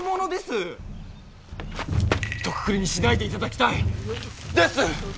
ひとくくりにしないでいただきたい！です！